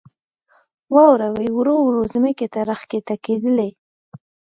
واورې ورو ورو ځمکې ته راکښته کېدلې.